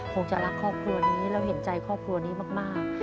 คงจะรักครอบครัวนี้แล้วเห็นใจครอบครัวนี้มาก